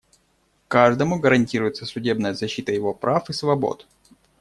Каждому гарантируется судебная защита его прав и свобод.